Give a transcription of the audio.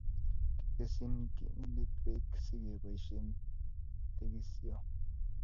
Kitesyini kiminde beek si keboisie ke tekisio